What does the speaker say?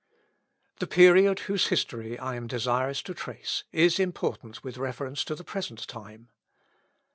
The period whose history I am desirous to trace, is important with reference to the present time.